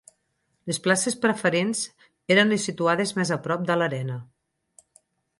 Les places preferents eren les situades més a prop de l'arena.